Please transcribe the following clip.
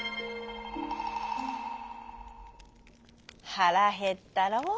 「はらへったろう。